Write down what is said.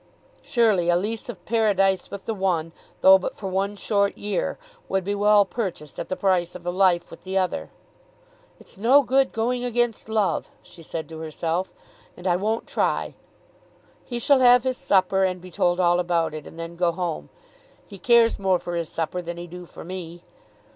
Surely a lease of Paradise with the one, though but for one short year, would be well purchased at the price of a life with the other! "It's no good going against love," she said to herself, "and I won't try. He shall have his supper, and be told all about it, and then go home. He cares more for his supper than he do for me."